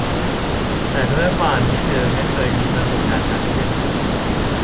แต่ด้วยความที่เธอไม่เคยมีประสบการณ์ทางเพศมาก่อน